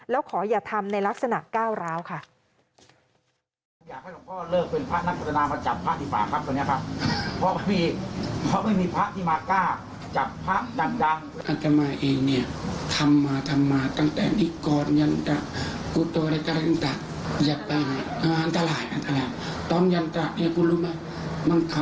แล้วขออย่าทำในลักษณะก้าวร้าวค่ะ